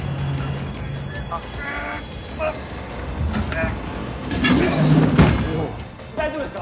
うう大丈夫ですか？